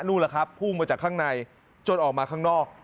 ล่ะครับพุ่งมาจากข้างในจนออกมาข้างนอก